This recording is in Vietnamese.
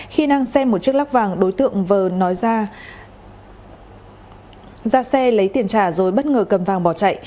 khi đang xem một chiếc lắc vàng đối tượng vừa nói ra ra xe lấy tiền trả rồi bất ngờ cầm vàng bỏ chạy